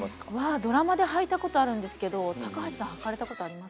ドラマではいたことあるんですけど高橋さん、はいたことあります？